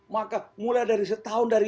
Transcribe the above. maka mulai dari setahun